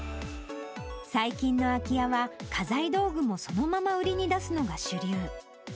最近の空き家は、家財道具もそのまま売りに出すのが主流。